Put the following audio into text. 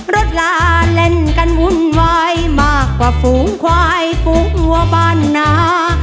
ลาเล่นกันวุ่นวายมากกว่าฝูงควายฝูงวัวบ้านหนา